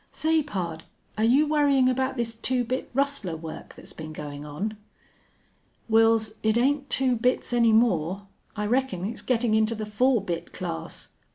Say, pard, are you worrying about this two bit rustler work that's been going on?" "Wils, it ain't two bits any more. I reckon it's gettin' into the four bit class."